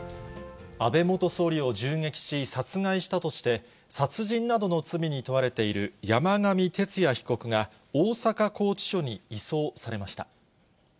安倍元総理を銃撃し、殺害したとして、殺人などの罪に問われている山上徹也被告が、大阪拘置所に移送されました。